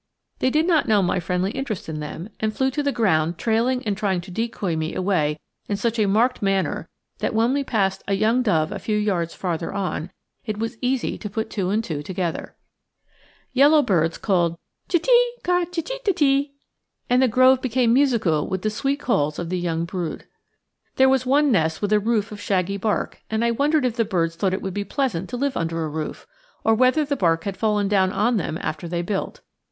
They did not know my friendly interest in them, and flew to the ground trailing and trying to decoy me away in such a marked manner that when we passed a young dove a few yards farther on, it was easy to put two and two together. Yellow birds called cheet' tee, ca cheet' ta tee, and the grove became musical with the sweet calls of the young brood. There was one nest with a roof of shaggy bark, and I wondered if the birds thought it would be pleasant to live under a roof, or whether the bark had fallen down on them after they built.